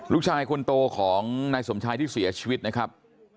ลูกชายคนโตของนายสมชายที่เสียชีวิตนะครับ